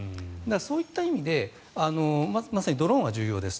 そういった意味でまさにドローンは重要です。